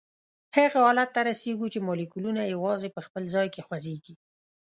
هغه حالت ته رسیږو چې مالیکولونه یوازي په خپل ځای کې خوځیږي.